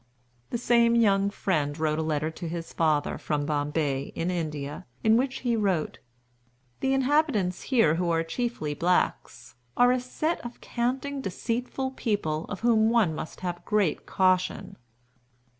'" The same young friend wrote a letter to his father, from Bombay, in India, in which he wrote: "The inhabitants here, who are chiefly blacks, are a set of canting, deceitful people, of whom one must have great caution."